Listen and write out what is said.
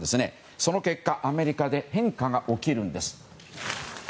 その結果、アメリカで変化が起きるんです。